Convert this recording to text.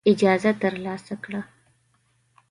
اجازه ترلاسه کړه.